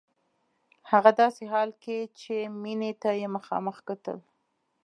هغه داسې حال کې چې مينې ته يې مخامخ کتل.